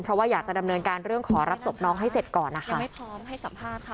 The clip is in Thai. เพราะว่าอยากจะดำเนินการเรื่องขอรับศพน้องให้เสร็จก่อนนะคะไม่พร้อมให้สัมภาษณ์ค่ะ